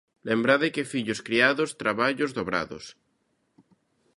Lembrade que fillos criados, traballos dobrados.